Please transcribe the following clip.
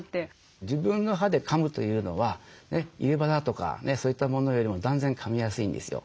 自分の歯でかむというのは入れ歯だとかそういったものよりも断然かみやすいんですよ。